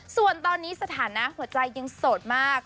ส่วนตอนนี้สถานะหัวใจยังโสดมาก